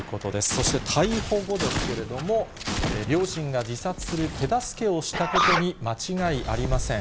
そして逮捕後ですけれども、両親が自殺する手助けをしたことに間違いありません。